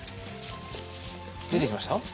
出てきました？